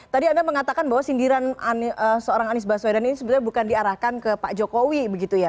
tadi anda mengatakan bahwa sindiran seorang anies baswedan ini sebenarnya bukan diarahkan ke pak jokowi begitu ya